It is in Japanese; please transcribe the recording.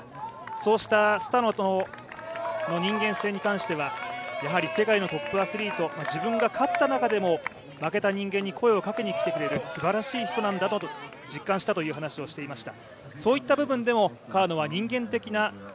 そうしたスタノの人間性に対してはやはり世界のトップアスリート自分が勝った中でも、負けた人間に声をかけに来てくれるすばらしい人なんだと実感したという話をしていました。